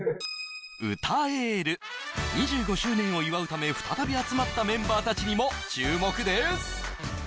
２５周年を祝うため再び集まったメンバーたちにも注目です